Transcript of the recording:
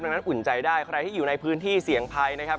ดังนั้นอุ่นใจได้ใครที่อยู่ในพื้นที่เสี่ยงภัยนะครับ